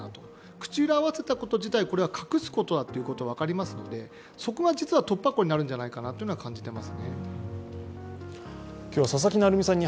口裏を合わせたこと自体、隠すと分かりますので、そこは実は突破口になるんじゃないかというのは感じています。